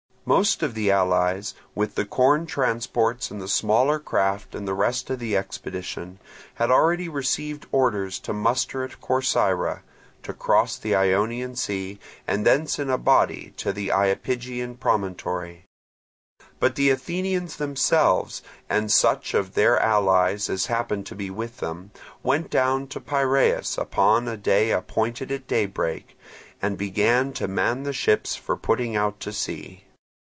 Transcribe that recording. Most of the allies, with the corn transports and the smaller craft and the rest of the expedition, had already received orders to muster at Corcyra, to cross the Ionian Sea from thence in a body to the Iapygian promontory. But the Athenians themselves, and such of their allies as happened to be with them, went down to Piraeus upon a day appointed at daybreak, and began to man the ships for putting out to sea.